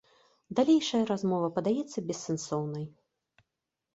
Далейшая размова падаецца бессэнсоўнай.